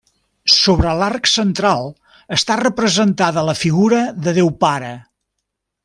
Sobre l'arc central està representada la figura de Déu Pare.